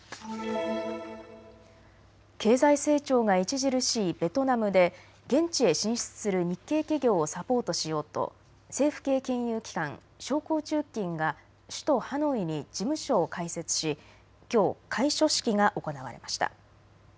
経済成長が著しいベトナムで現地へ進出する日系企業をサポートしようと政府系金融機関、商工中金が首都ハノイに事務所を開設しきょう開所式が行われました。